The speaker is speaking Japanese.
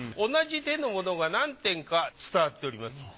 同じ絵のものが何点か伝わっております。